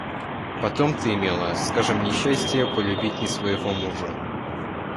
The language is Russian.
Потом ты имела, скажем, несчастие полюбить не своего мужа.